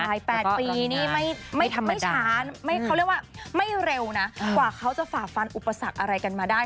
ใช่๘ปีนี่ไม่ช้าเขาเรียกว่าไม่เร็วนะกว่าเขาจะฝ่าฟันอุปสรรคอะไรกันมาได้